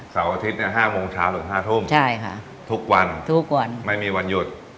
เสาร์อาทิตย์๕โมงเช้าถึง๕ทุ่มทุกวันไม่มีวันหยุดทุกวัน